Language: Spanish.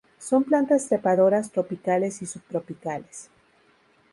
Son plantas trepadoras tropicales y subtropicales.